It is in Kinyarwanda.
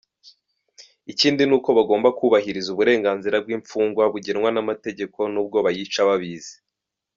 Ikindi nuko bagomba kubahiriza uburenganzira bw’imfungwa bugenwa n’amategeko nubwo bayica babizi.